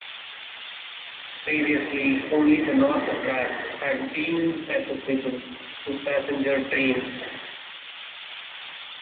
Previously only the north track had been accessible to passenger trains.